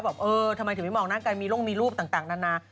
เออทำไมถึงไม่มองหน้ากันมีร่มมีรูปต่างนานา